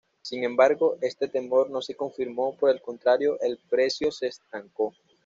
Sin embargo, este temor no se confirmó, por el contrario el precio se estancó.